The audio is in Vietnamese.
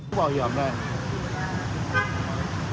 mũi bảo hiểm đây